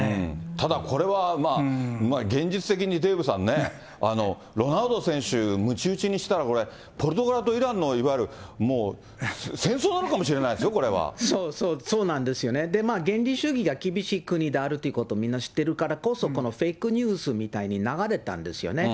ただこれは現実的にデーブさんね、ロナウド選手、むち打ちにしたら、ポルトガルとイランのいわゆる戦争になるかもしれないですよ、そうなんですよね、原理主義が厳しい国であるということもみんな知ってるからこそ、このフェイクニュースみたいに流れたんですよね。